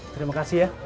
terima kasih ya